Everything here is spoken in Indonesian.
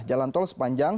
jalan tol sepanjang ini